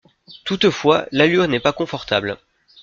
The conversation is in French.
Toutefois, l'allure n'est pas confortable.